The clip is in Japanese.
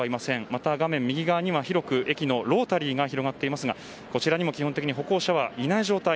また画面右側には駅のロータリーが広がっていますが、こちらにも基本的に歩行者はいない状態